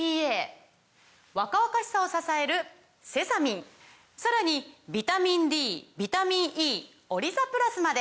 若々しさを支えるセサミンさらにビタミンＤビタミンＥオリザプラスまで！